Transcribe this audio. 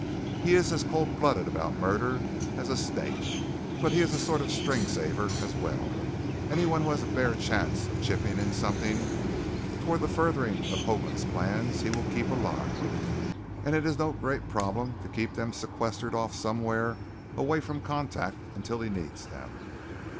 He is as cold blooded about murder as a snake. But he is a sort of 'string saver' as well. Anyone who has a bare chance of chipping in something toward the furthering of Hoagland's plans he will keep alive and it is no great problem to keep them sequestered off somewhere away from contact until he needs 'em.